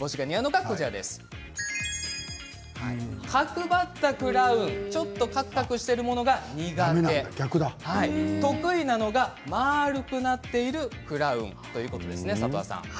角張ったクラウンちょっとかくかくしているものが苦手得意なのが丸くなっているクラウンということですね。